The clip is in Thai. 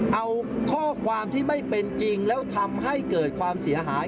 เอาข้อความที่ไม่เป็นจริงแล้วทำให้เกิดความเสียหาย